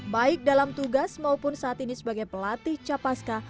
baik dalam tugas maupun saat ini sebagai pelatih capaska